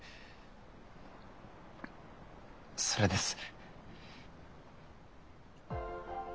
それです。